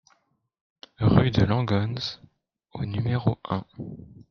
Rue de Langgöns au numéro un